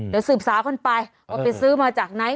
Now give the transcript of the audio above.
เดี๋ยวสืบสาวคนไปว่าไปซื้อมาจากไหน